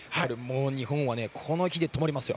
日本はこの日でともりますよ。